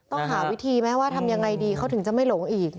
ต้องหาวิธีแม้ว่าทำอย่างไรดีเขาถึงจะไม่หลงอีก